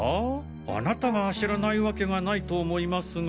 あなたが知らないわけがないと思いますが？